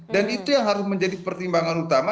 dan itu yang harus menjadi pertimbangan utama